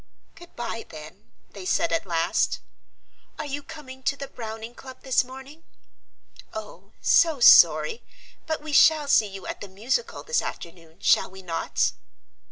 "Goodbye then," they said at last. "Are you coming to the Browning Club this morning? Oh, so sorry! but we shall see you at the musicale this afternoon, shall we not?"